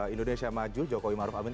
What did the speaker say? indonesia maju jokowi maruf amin